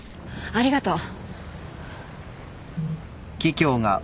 ありがとう。